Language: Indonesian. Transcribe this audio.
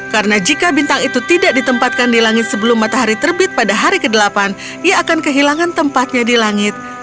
karena jika bintang itu tidak ditempatkan di langit sebelum matahari terbit pada hari kedelapan ia akan kehilangan tempatnya di langit